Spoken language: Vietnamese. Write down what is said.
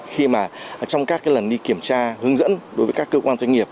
khi mà trong các lần đi kiểm tra hướng dẫn đối với các cơ quan doanh nghiệp